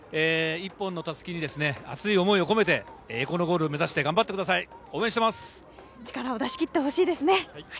１本のたすきに熱い思いを込めて栄光のゴール目指して頑張ってください、応援しています。